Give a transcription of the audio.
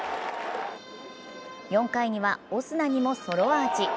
４回にはオスナにもソロアーチ。